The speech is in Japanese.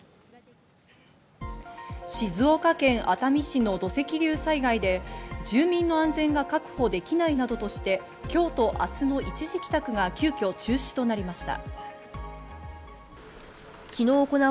静岡県熱海市の土石流災害で、住民の安全が確保できないなどとして、今日と明日の一時帰宅が急遽中止となりました。